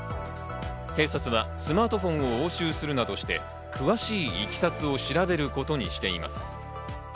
警察はスマートフォンを押収するなどして詳しい経緯を調べることにしています。